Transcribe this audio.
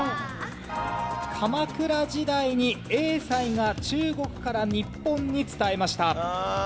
鎌倉時代に栄西が中国から日本に伝えました。